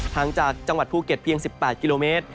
ทางจากจังหวัดภูเก็ตเพียง๑๘กิโลเมตร